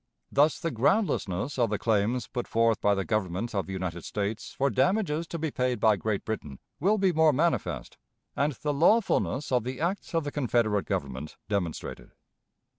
Thus the groundlessness of the claims put forth by the Government of the United States for damages to be paid by Great Britain will be more manifest, and the lawfulness of the acts of the Confederate Government demonstrated.